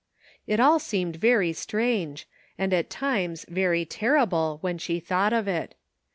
It all seemed very strange, and at times very terrible, when she thought of it.